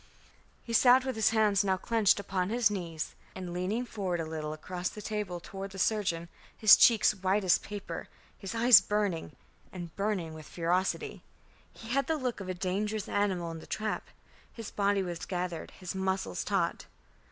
He sat with his hands now clenched upon his knees and leaning forward a little across the table toward the surgeon, his cheeks white as paper, his eyes burning, and burning with ferocity. He had the look of a dangerous animal in the trap. His body was gathered, his muscles taut.